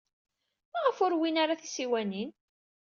Maɣef ur wwin ara tisiwanin?